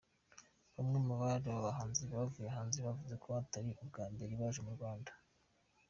Bamwe muri aba bahanzi bavuye hanze bavuze ko atari ubwa mbere baje mu Rwanda.